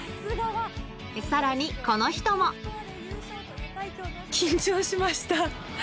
さらにこの人も緊張しました。